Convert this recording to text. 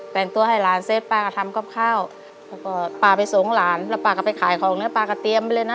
แต่งตัวให้หลานเสร็จป้าก็ทำกับข้าวแล้วก็ป้าไปส่งหลานแล้วป้าก็ไปขายของเนื้อปลาก็เตรียมไปเลยนะ